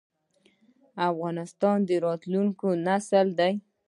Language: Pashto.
افغانستان د راتلونکي نسل دی؟